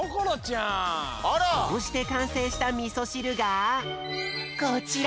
こうしてかんせいしたみそしるがこちら！